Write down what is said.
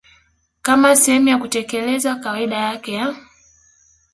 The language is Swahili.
kama sehemu ya kutekeleza kawaida yake ya